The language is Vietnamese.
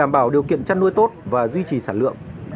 bảo điều kiện chăn nuôi tốt và duy trì sản lượng